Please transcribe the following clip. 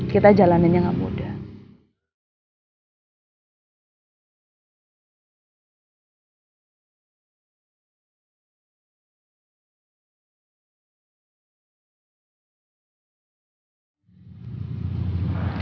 kita jalaninnya nggak mudah